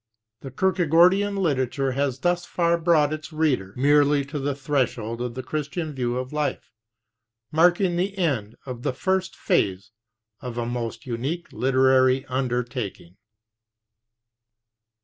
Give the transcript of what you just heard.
The Kierkegaardian literature has thus far brought its reader merely to the threshold of the Christian view of life, marking the end of the first phase of a most unique literary undertaking.